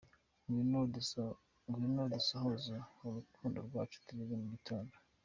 Ngwino dusohoze urukundo rwacu tugeze ku gitondo.